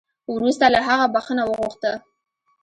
وروسته له هغه بخښنه وغوښته